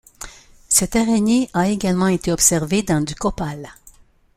Cette araignée a également été observée dans du copal.